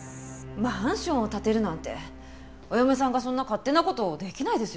マンションを建てるなんてお嫁さんがそんな勝手な事できないですよね？